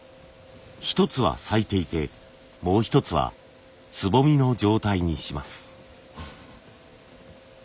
一つは咲いていてもう一つはつぼみの状態にします。